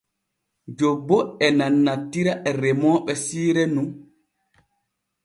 Jobbo e nanantira e remooɓe siire nun.